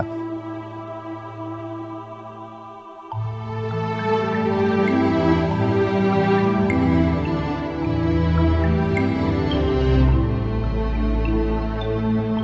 โปรดติดตามตอนต่อไป